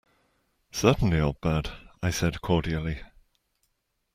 "Certainly, old bird," I said cordially.